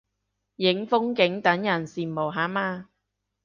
影風景等人羨慕下嘛